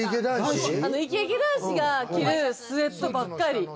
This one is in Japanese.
イケイケ男子が着るスエットばっかり。